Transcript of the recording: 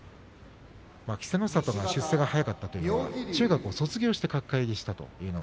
稀勢の里は出世が早かったというのは中学を卒業して角界入りをしたからです。